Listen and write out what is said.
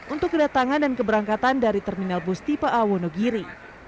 untuk kedatangan dan keberangkatan dari terminal bus tipe a wonogiri